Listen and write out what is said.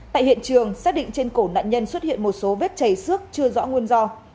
tại hiện trường xác định trên cổ nạn nhân xuất hiện một số vết chảy xước chưa rõ nguồn do